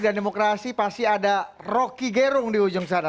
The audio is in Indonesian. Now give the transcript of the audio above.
dan demokrasi pasti ada rocky gerung di ujung sana